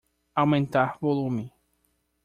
Aumentar volume.